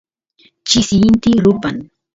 chisi inti rupan